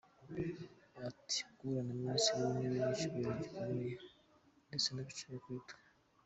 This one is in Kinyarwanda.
Ati “Guhura na Minisitiri w’Intebe ni icyubahiro gikomeye ndetse n’agaciro kuri twe.